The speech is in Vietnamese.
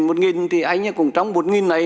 một nghìn thì anh cũng trong một nghìn này